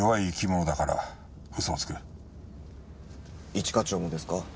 一課長もですか？